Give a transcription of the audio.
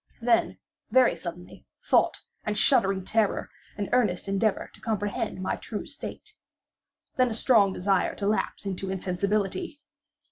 Then, very suddenly, thought, and shuddering terror, and earnest endeavor to comprehend my true state. Then a strong desire to lapse into insensibility.